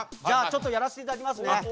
じゃあちょっとやらせていただきますね。